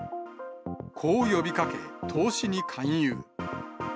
こう呼びかけ、投資に勧誘。